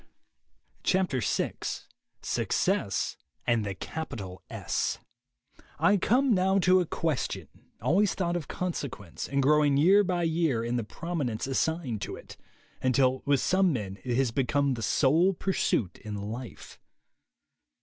VI SUCCESS AND THE CAPITAL S Y COME now to a question, always thought of " consequence, and growing year by year in the prominence assigned to it, until with some men it has become the sole pursuit in life.